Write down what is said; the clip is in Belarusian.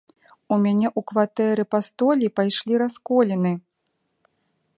У мяне ў кватэры па столі пайшлі расколіны.